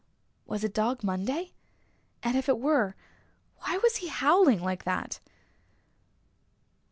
Was it Dog Monday? And if it were, why was he howling like that?